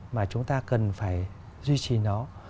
mà chúng ta cần phải duy trì nó